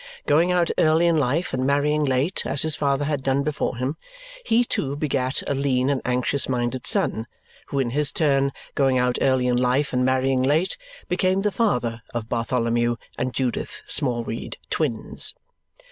Going out early in life and marrying late, as his father had done before him, he too begat a lean and anxious minded son, who in his turn, going out early in life and marrying late, became the father of Bartholomew and Judith Smallweed, twins.